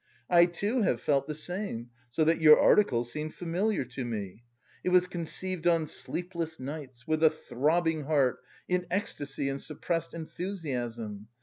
I, too, have felt the same, so that your article seemed familiar to me. It was conceived on sleepless nights, with a throbbing heart, in ecstasy and suppressed enthusiasm.